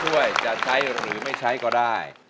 ช่วยจะใช้หรือไม่ใช้ก็ได้